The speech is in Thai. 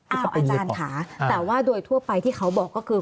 อาจารย์ค่ะแต่ว่าโดยทั่วไปที่เขาบอกก็คือ